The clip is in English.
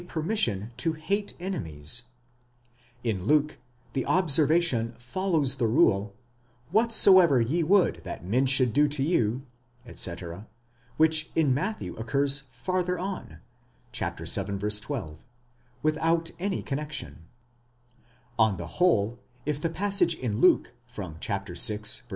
§ 76, permission to hate enemies: in Luke, the observation follows the rule, What soever ye would that men should do to you, etc., which in Matthew occurs farther on (vil, 12) without any connexion, On the whole, if the passage in Luke from vi.